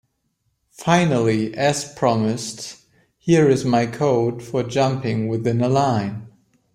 Finally, as promised, here is my code for jumping within a line.